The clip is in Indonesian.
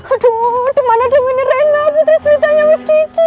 aduh dimana dong ini rena bu ceritanya mas kiki